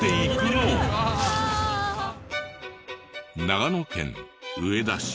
長野県上田市。